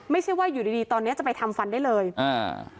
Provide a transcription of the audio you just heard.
ไม่ใช่ว่าอยู่ดีดีตอนเนี้ยจะไปทำฟันได้เลยอ่า